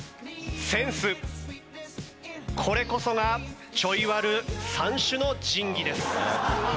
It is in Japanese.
これこそがちょいワル三種の神器です。